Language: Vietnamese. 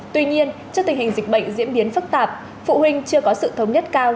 tuy nhiên trước tình hình dịch bệnh diễn biến phức tạp phụ huynh chưa có sự thống nhất cao